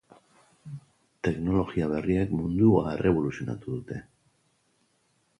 Teknologia berriek mundua erreboluzionatu dute.